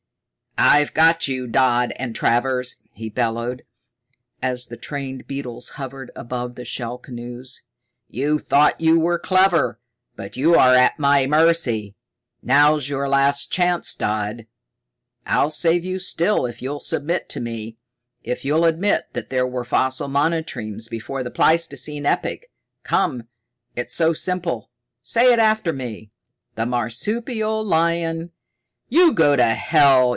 "I've got you, Dodd and Travers," he bellowed, as the trained beetles hovered above the shell canoes. "You thought you were clever, but you're at my mercy. Now's your last chance, Dodd. I'll save you still if you'll submit to me, if you'll admit that there were fossil monotremes before the pleistocene epoch. Come, it's so simple! Say it after me: 'The marsupial lion '" "You go to hell!"